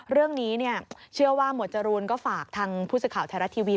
เรื่องนี้เชื่อว่าหมวดจรูนก็ฝากทางผู้สื่อข่าวไทยรัฐทีวี